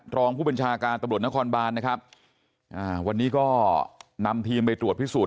รองผู้บัญชาการตำรวจนครบานนะครับอ่าวันนี้ก็นำทีมไปตรวจพิสูจน